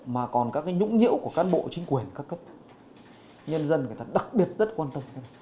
mà còn các cái nhũng nhiễu của cán bộ chính quyền các cấp nhân dân người ta đặc biệt rất quan tâm